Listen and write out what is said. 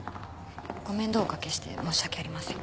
ご面倒をおかけして申し訳ありません。